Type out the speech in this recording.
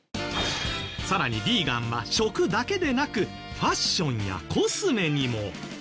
さらにヴィーガンは食だけでなくファッションやコスメにも。